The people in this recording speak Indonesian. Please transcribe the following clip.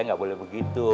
nggak boleh begitu